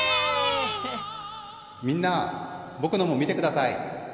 みんなぼくのも見て下さい。